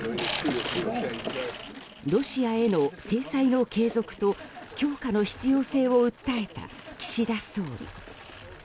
ロシアへの制裁の継続と強化の必要性を訴えた岸田総理。